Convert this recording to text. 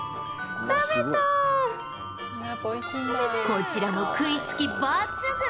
こちらも食いつき抜群！